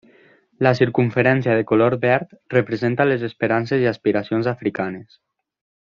La circumferència de color verd representa les esperances i aspiracions africanes.